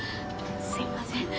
すいません。